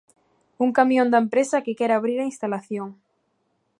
Un camión da empresa que quere abrir a instalación.